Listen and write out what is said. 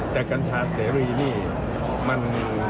แต่กัญชาเสรีนี่มันมี